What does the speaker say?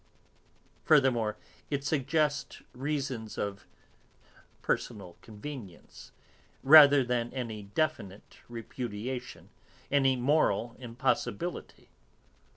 Furthermore, it suggests reasons of personal convenience, rather than any definite repudiation, any moral impossibility.